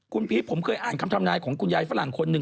คุณพีชผมเคยอ่านคำทำนายของคุณยายฝรั่งคนหนึ่ง